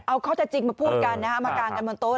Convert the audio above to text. เอาข้อจริงมาพูดกันนะฮะอำการกันบนโต๊ะ